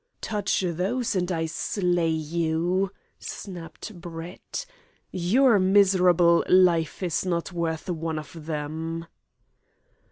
"Touch those, and I slay you," snapped Brett. "Your miserable life is not worth one of them."